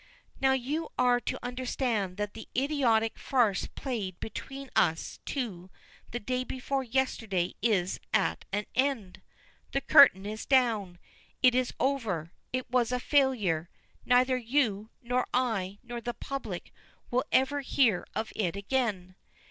"Now you are to understand that the idiotic farce played between us two the day before yesterday is at an end? The curtain is down. It is over. It was a failure neither you, nor I, nor the public will ever hear of it again."